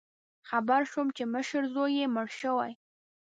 خبر شوم چې مشر زوی یې مړ شوی